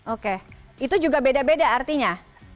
oke itu juga beda beda artinya